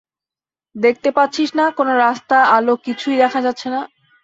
দেখতে পাচ্ছিস না, কোনো রাস্তা, আলো কিছুই দেখা যাচ্ছে না?